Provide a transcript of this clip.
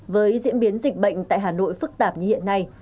với diễn biến dịch bệnh tại hà nội phức tạp như hiện nay